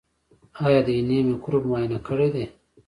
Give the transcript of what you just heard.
ایا د ینې مکروب مو معاینه کړی دی؟